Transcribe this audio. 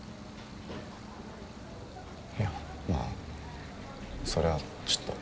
いやまあそれはちょっと。